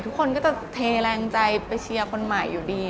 ทุกคนก็จะเทแรงใจไปเชียร์คนใหม่อยู่ดี